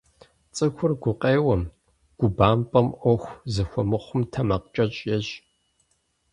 Цӏыхур гукъеуэм, губампӏэм, ӏуэху зэхуэмыхъум тэмакъкӏэщӏ ещӏ.